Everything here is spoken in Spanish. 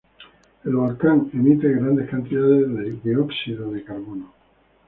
El volcán emite grandes cantidades de dióxido de carbono.